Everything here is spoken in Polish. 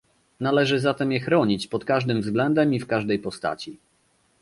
Należy zatem je chronić pod każdym względem i w każdej postaci